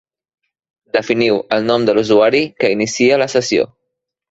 Definiu el nom de l'usuari que inicia la sessió.